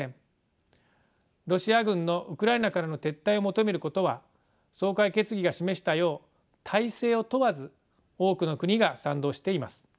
ロシア軍のウクライナからの撤退を求めることは総会決議が示したよう体制を問わず多くの国が賛同しています。